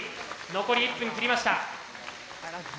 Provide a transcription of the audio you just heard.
残り１分切りました。